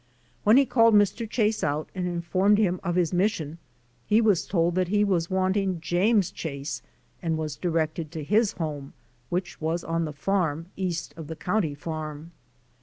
When he called Mr. Chase out and informed him of his mission he was told that he was wanting James Chase and was directed to his home, which was on the farm east of the county farm.